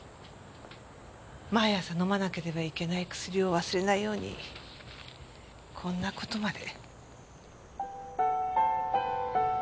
毎朝飲まなければいけない薬を忘れないようにこんな事まで。